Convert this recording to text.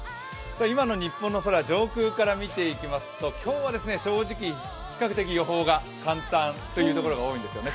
今の日本の空上空から見ていきますと今日は正直、比較的、予報が簡単な所が多いんですよね